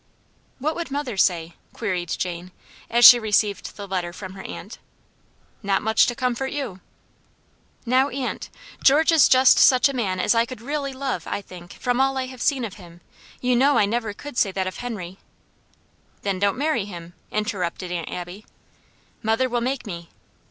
"What would mother say?" queried Jane, as she received the letter from her aunt. "Not much to comfort you." "Now, aunt, George is just such a man as I could really love, I think, from all I have seen of him; you know I never could say that of Henry" "Then don't marry him," interrupted Aunt Abby. "Mother will make me."